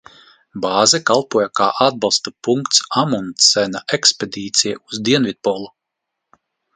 Bāze kalpoja kā atbalsta punkts Amundsena ekspedīcijai uz Dienvidpolu.